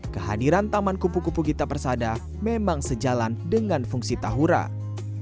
kehadiran taman kupu kupu gita persada memang sejalan dengan fungsi tahuan